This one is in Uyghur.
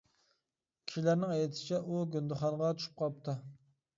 كىشىلەرنىڭ ئېيتىشىچە، ئۇ گۇندىخانىغا چۈشۈپ قاپتۇ.